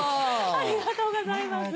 ありがとうございます。